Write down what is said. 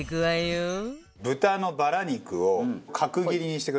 豚のバラ肉を角切りにしてください。